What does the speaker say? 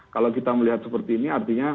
kalau kita melihat seperti ini artinya